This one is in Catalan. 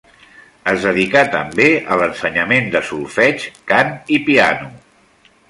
Es dedicà també a l'ensenyament de solfeig, cant i piano.